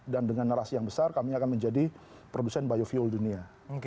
dan dengan narasi yang besar kami akan menjadi produsen biofuel dunia